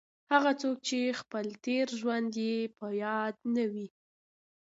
هغه څوک چې خپل تېر ژوند یې په یاد نه وي.